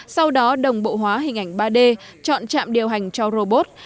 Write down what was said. sau đó đồng bộ hóa hình ảnh ba d chọn trạm điều hành cho robot